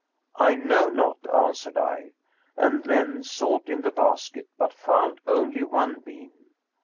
'I know not,' answered I, and then sought in the basket, but found only one bean.